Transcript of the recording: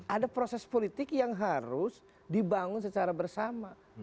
ada proses politik yang harus dibangun secara bersama